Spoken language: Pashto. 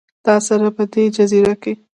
تا سره، په دې جزیره کې